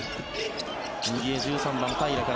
右へ１３番、平良から